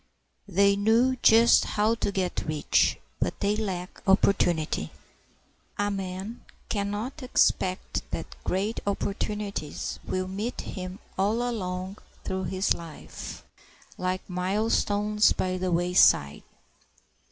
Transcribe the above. They knew just how to get rich, but they lacked opportunity. A man can not expect that great opportunities will meet him all along through his life like milestones by the wayside.